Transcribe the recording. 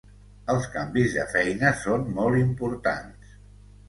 Els canvis de feina són molt importants.